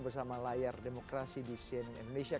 bersama layar demokrasi di cnn indonesia